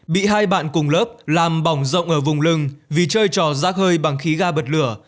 bị hai bạn cùng lớp làm bỏng rộng ở vùng lưng vì chơi trò rác hơi bằng khí ga bật lửa